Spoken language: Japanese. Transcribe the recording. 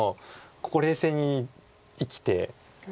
ここ冷静に生きて。